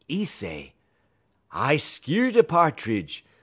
'E say: "'I skeer da Pa'tridge.